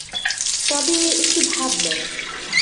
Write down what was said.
তবে একটু ভাব নেয়।